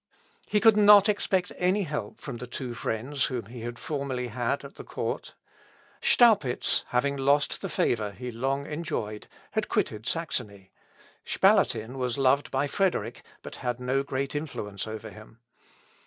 He could not expect any help from the two friends whom he had formerly had at the court. Staupitz, having lost the favour he long enjoyed, had quitted Saxony, Spalatin was loved by Frederick, but had no great influence over him.